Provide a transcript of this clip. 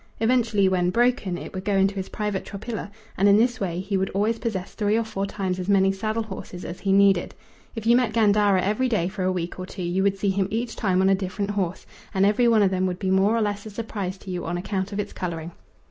Eventually, when broken, it would go into his private tropilla, and in this way he would always possess three or four times as many saddle horses as he needed. If you met Gandara every day for a week or two you would see him each time on a different horse, and every one of them would be more or less a surprise to you on account of its colouring.